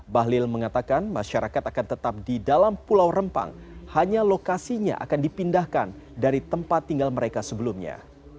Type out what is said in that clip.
bahlil mengatakan masyarakat akan tetap di dalam pulau rempang hanya lokasinya akan dipindahkan dari tempat tinggal mereka sebelumnya